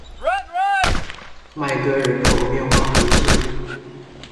曼戈人口变化图示